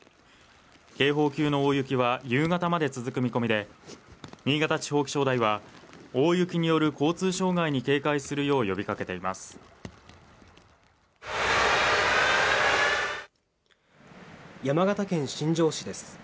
警報級の大雪は夕方まで続く見込みで新潟地方気象台は大雪による交通障害に警戒するよう呼びかけています山形県新庄市です